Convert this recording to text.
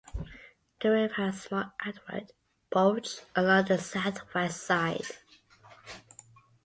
The rim has a small outward bulge along the southwest side.